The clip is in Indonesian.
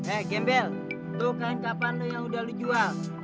eh gembel tuh kain kapan lo yang udah lo jual